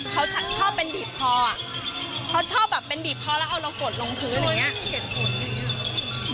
เค้าชอบเป็นบีบพ่ออ่ะเค้าชอบแบบเป็นบีบพ่อแล้วเอาเรากดลงครูอะไรอย่างเงี้ย